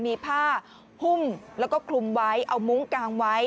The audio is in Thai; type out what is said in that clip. มีผ้าหุ้มแล้วก็คลุมไว้เอามุ้งกางไว้